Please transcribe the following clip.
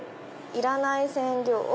いらない染料を。